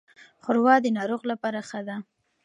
ښوروا د ناروغ لپاره ښه ده.